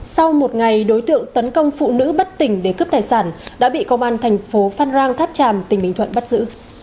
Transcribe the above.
sau một ngày đối tượng tấn công phụ nữ bất tỉnh để cướp tài sản đã bị công an thành phố phan rang tháp tràm tỉnh bình thuận bắt giữ